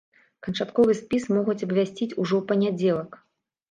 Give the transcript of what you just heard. Канчатковы спіс могуць абвясціць ужо ў панядзелак.